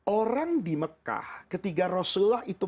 orang di mekah ketika rasulullah itu